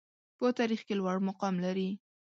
په تاریخ کې لوړ مقام لري.